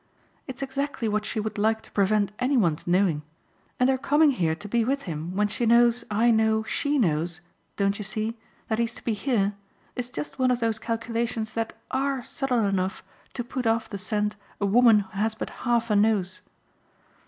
"It's exactly what she would like to prevent any one's knowing, and her coming here to be with him when she knows I know SHE knows don't you see? that he's to be here, is just one of those calculations that ARE subtle enough to put off the scent a woman who has but half a nose."